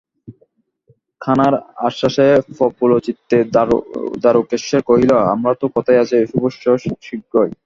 খানার আশ্বাসে প্রফুল্লচিত্তে দারুকেশ্বর কহিল, আমার তো কথাই আছে, শুভস্য শীঘ্রং।